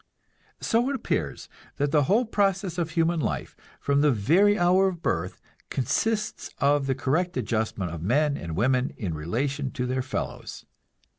So it appears that the whole process of human life, from the very hour of birth, consists of the correct adjustment of men and women in relation to their fellows.